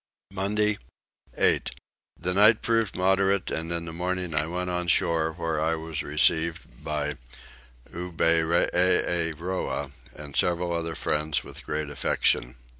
Monday 8. The night proved moderate and in the morning I went on shore where I was received by Oberreeroah, and several other friends with great affection.